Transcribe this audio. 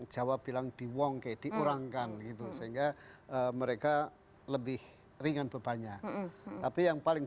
jawa bilang di wongke diurangkan gitu sehingga mereka lebih ringan bebannya tapi yang paling